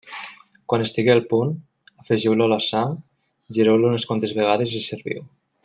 Quan estigui al punt, afegiu-lo a la sang, gireu-lo unes quantes vegades i serviu.